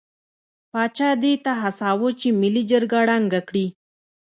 پاچا دې ته هڅاوه چې ملي جرګه ړنګه کړي.